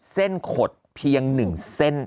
เส้นขดเพียงหนึ่งเส้น